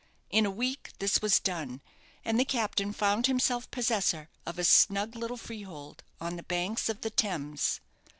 In a week this was done, and the captain found himself possessor of a snug little freehold on the banks of the Thames.